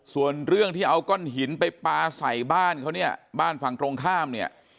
ส่วนเรื่องที่เอาก้อนหินไปปลาใส่บ้านเขาเนี่ยบ้านฝั่งตรงข้ามเนี่ย